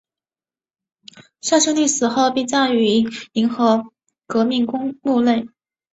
向秀丽死后被葬于银河革命公墓内。